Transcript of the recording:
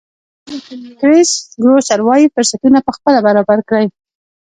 کرېس ګروسر وایي فرصتونه پخپله برابر کړئ.